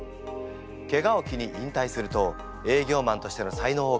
ケガを機に引退すると営業マンとしての才能を開花。